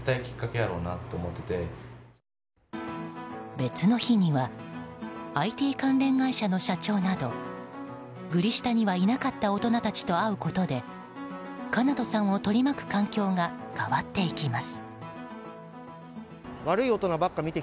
別の日にはＩＴ関連会社の社長などグリ下にはいなかった大人たちと会うことでかなとさんを取り巻く環境が変わっていきます。